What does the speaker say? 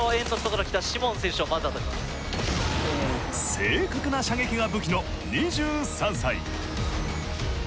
正確な射撃が武器の２３歳。